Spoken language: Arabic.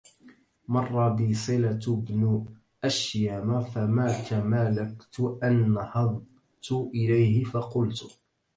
مَرَّ بِي صِلَةُ بْنُ أَشْيَمَ فَمَا تَمَالَكْتُ أَنْ نَهَضْتُ إلَيْهِ فَقُلْتُ